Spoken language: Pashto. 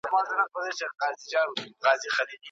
پوهه د تیارو پر وړاندې مبارزه ده.